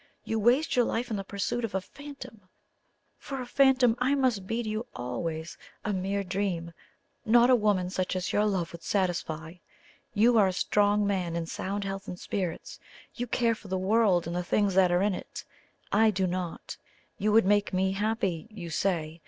You waste your life in the pursuit of a phantom; for a phantom I must be to you always a mere dream, not a woman such as your love would satisfy. You are a strong man, in sound health and spirits; you care for the world and the things that are in it. I do not. You would make me happy, you say.